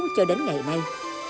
cho đến ngày nay